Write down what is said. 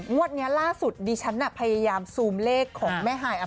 งวดนี้ล่าสุดดิฉันน่ะพยายามซูมเลขของแม่ฮาย